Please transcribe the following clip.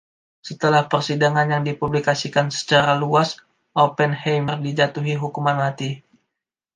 Setelah persidangan yang dipublikasikan secara luas, Oppenheimer dijatuhi hukuman mati.